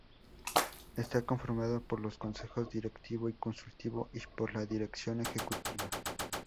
Está conformado por los Consejos Directivo y Consultivo y por la Dirección Ejecutiva.